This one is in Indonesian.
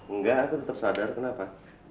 enggak aku tetap sadar kenapa